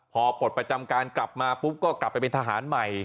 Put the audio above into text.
พอปลดประจำการกลับมาปุ๊บก็กลับไปเป็นทหารใหม่